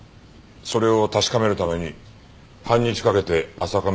それを確かめるために半日かけて浅香水絵を捜した。